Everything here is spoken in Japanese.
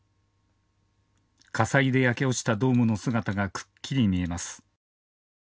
火災で焼け落ちたドームの姿がくっきり見えます。